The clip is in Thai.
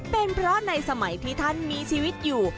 เป็นเพราะในสมัยที่ท่านมีชีวิตอยู่